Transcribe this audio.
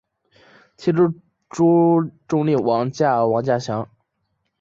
其妹朱仲丽嫁王稼祥。